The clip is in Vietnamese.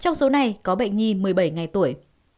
trong số này có bệnh nhi một mươi bảy ngày tuổi